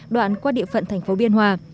đoạn qua địa phận thành phố biên hòa